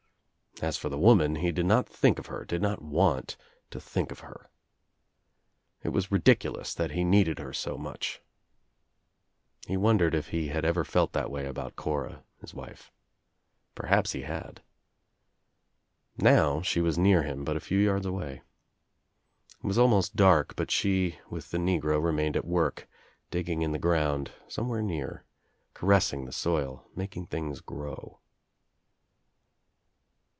As for the woman he did not think of her, did not want to think of her. It was ridiculous that he needed her so much. He wondered if he had ever felt that way about Coia, his wife. Perhaps he had. Now she was near him, but a few yards away. It was almost dark but she with the negro remained at work, digging in the ground — somewhere near — caressing the soil, making things grow.